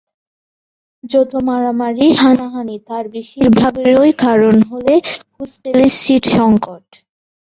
যত মারামারি হানাহানি তার বেশির ভাগেরই কারণ হলে হোস্টেলে সিট সংকট।